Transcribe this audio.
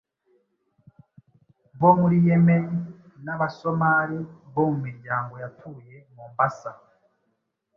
bo muri Yemeni n’Aba-Somali bo mu miryango yatuye Mombasa